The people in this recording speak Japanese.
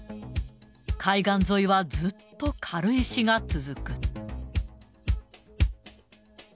海岸沿いはずっと軽石が続く。